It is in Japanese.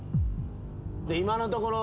今のところ。